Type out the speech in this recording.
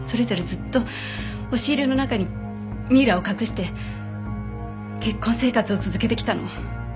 それぞれずっと押し入れの中にミイラを隠して結婚生活を続けてきたの。